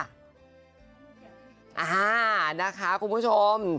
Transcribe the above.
อ่านะคะคุณผู้ชม